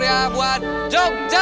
dibuang dibesarkan bunda